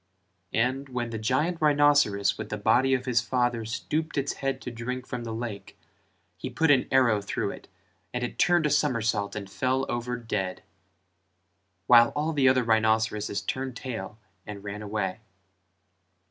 and when the giant rhinceros with the body of his father stooped its head to drink from the lake, he put an arrow through it and it turned a somersault and fell over dead: while all the other rhinceroses turned tail and ran away.